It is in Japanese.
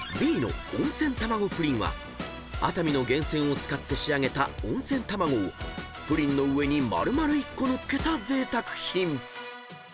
［熱海の源泉を使って仕上げた温泉玉子をプリンの上に丸々１個載っけたぜいたく品］